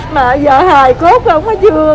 mà vợ hài cốt không có chưa